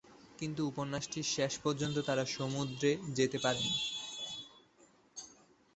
কিন্তু উপন্যাসটির শেষ পর্যন্ত তারা সমুদ্রে যেতে পারেনি।